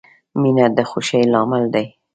• مینه د خوښۍ لامل دی.